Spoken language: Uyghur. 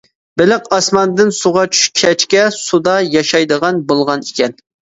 بېلىق ئاسماندىن سۇغا چۈشكەچكە، سۇدا ياشايدىغان بولغان ئىكەن.